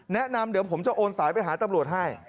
แนะนำเดี๋ยวผมจะโอนสายไปหาตำรวจให้